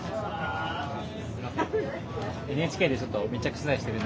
すいません。